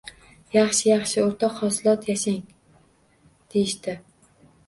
– Yaxshi, yaxshi o‘rtoq hosilot, yashang! – deyishdi.